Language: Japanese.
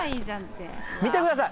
見てください。